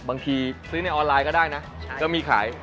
บางทีซื้อในออนไลน์ก็ได้นะก็มีขาย